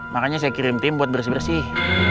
makanya saya kirim tim buat bersih bersih